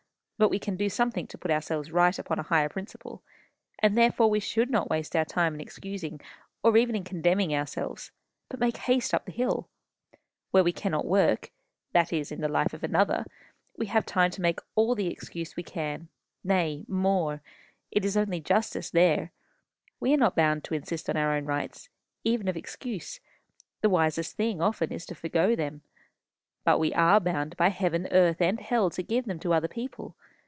But we can do something to put ourselves right upon a higher principle, and therefore we should not waste our time in excusing, or even in condemning ourselves, but make haste up the hill. Where we cannot work that is, in the life of another we have time to make all the excuse we can. Nay more; it is only justice there. We are not bound to insist on our own rights, even of excuse; the wisest thing often is to forego them. But we are bound by heaven, earth, and hell to give them to other people.